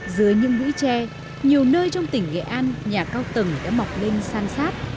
dưới những bụi tre nhiều nơi trong tỉnh nghệ an nhà cao tầng đã mọc lên san sát